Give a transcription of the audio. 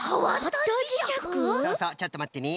そうそうちょっとまってね。